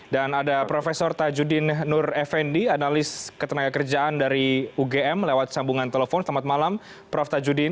dan ada prof tajudin nur effendi analis ketenaga kerjaan dari ugm lewat sambungan telepon selamat malam prof tajudin